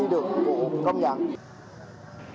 đi đường của công dân